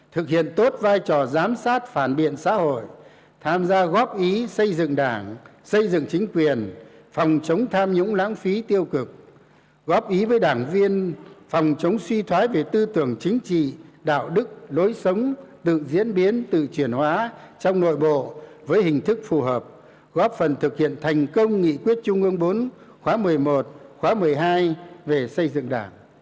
thực hiện tốt vai trò giám sát phản biện xã hội tham gia góp ý xây dựng đảng xây dựng chính quyền phòng chống tham nhũng lãng phí tiêu cực góp ý với đảng viên phòng chống suy thoái về tư tưởng chính trị đạo đức lối sống tự diễn biến tự chuyển hóa trong nội bộ với hình thức phù hợp góp phần thực hiện thành công nghị quyết chung ương bốn khóa một mươi một khóa một mươi hai về xây dựng đảng